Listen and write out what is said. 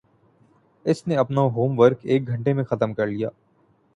اس نے اپنا homework ایک گھنٹے میں ختم کر لیا